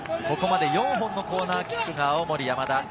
ここまで４本のコーナーキックが青森山田。